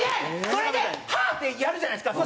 それでハアーってやるじゃないですか。